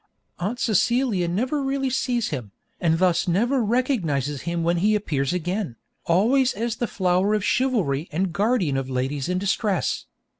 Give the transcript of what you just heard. Aunt Celia never really sees him, and thus never recognises him when he appears again, always as the flower of chivalry and guardian of ladies in distress.